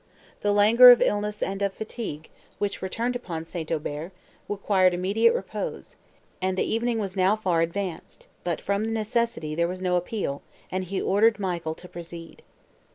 The languor of illness and of fatigue, which returned upon St. Aubert, required immediate repose, and the evening was now far advanced; but from necessity there was no appeal, and he ordered Michael to proceed.